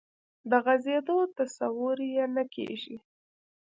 د غځېدو تصور یې نه کېږي.